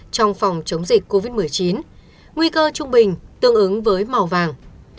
trong phòng chống dịch covid một mươi chín nguy cơ trung bình tương ứng với màu vàng